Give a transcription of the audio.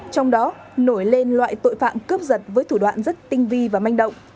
trong đó nổi lên loại tội phạm cướp giật với thủ đoạn rất tinh vi và manh động